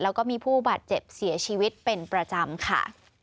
แล้วก็มีผู้บาดเจ็บเสียชีวิตเป็นประจำค่ะ